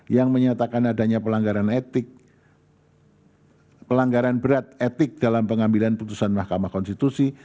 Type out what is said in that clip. yang menyatakan adanya pelanggaran etik pelanggaran berat etik dalam pengambilan putusan mahkamah konstitusi